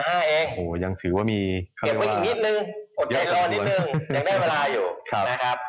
โหยังถือว่ามีเก็บไปอีกนิดนึงอดใจรอดนิดนึงยังได้เวลาอยู่